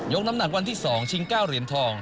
ยกน้ำหนังวันที่๒ชิงเก้าเหรียญทอง